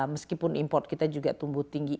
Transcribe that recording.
meskipun import kita juga tumbuh tinggi